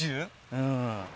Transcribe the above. うん。